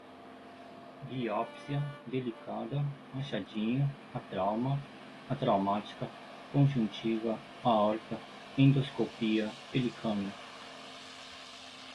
biópsia, delicada, machadinho, atrauma, atraumática, conjuntiva, aorta, endoscopia, pelicano